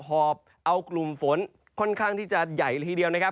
หอบเอากลุ่มฝนค่อนข้างที่จะใหญ่ละทีเดียวนะครับ